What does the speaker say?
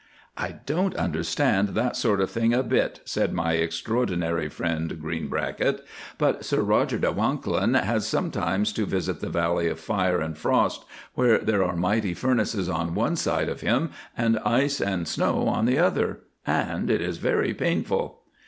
"I don't understand that sort of thing a bit," said my extraordinary friend, Greenbracket, "but Sir Rodger de Wanklyn has sometimes to visit the Valley of Fire and Frost, where there are mighty furnaces on one side of him and ice and snow on the other and it is very painful."